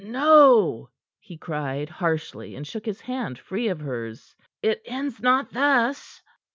"No!" he cried harshly, and shook his hand free of hers. "It ends not thus."